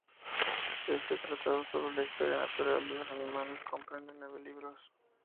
Este tratado sobre la historia natural de los animales comprende nueve libros.